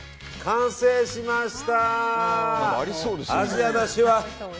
完成しました。